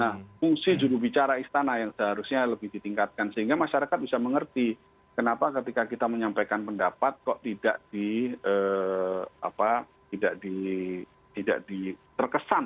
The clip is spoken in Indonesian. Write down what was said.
nah fungsi jurubicara istana yang seharusnya lebih ditingkatkan sehingga masyarakat bisa mengerti kenapa ketika kita menyampaikan pendapat kok tidak di apa tidak di tidak di terkesan